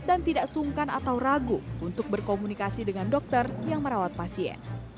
dan tidak sungkan atau ragu untuk berkomunikasi dengan dokter yang merawat pasien